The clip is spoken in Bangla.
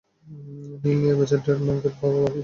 নীল ন্যায়বিচার, ট্রেডমার্ক পাওয়া বাকি।